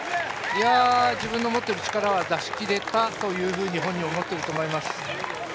自分の持っている力は出し切れたと本人思っていると思います。